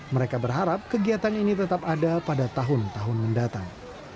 mereka berharap kegiatan ini tetap ada pada tahun tahun mendatang